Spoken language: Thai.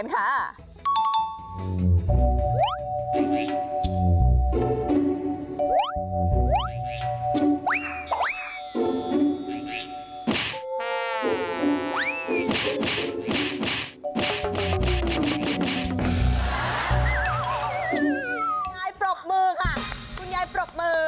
ยายปรบมือค่ะคุณยายปรบมือ